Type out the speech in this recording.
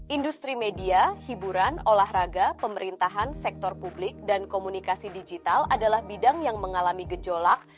industri media hiburan olahraga pemerintahan sektor publik dan komunikasi digital adalah bidang yang mengalami gejolak